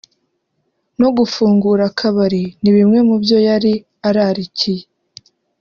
no gufungura akabari ni bimwe mu byo yari ararikiye